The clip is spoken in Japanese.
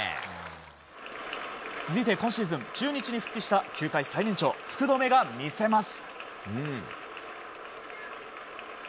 続いて、今シーズン中日に復帰した球界最年長、福留が見せます。